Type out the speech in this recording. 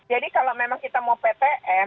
jadi kalau memang kita mau ptm